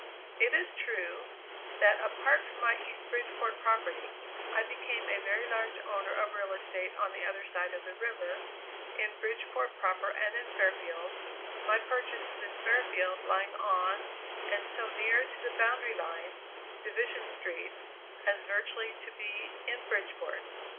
It is true that, apart from my East Bridgeport property, I became a very large owner of real estate on the other side of the river, in Bridgeport proper and in Fairfield, my purchases in Fairfield lying on and so near to the boundary line Division Street as virtually to be in Bridgeport.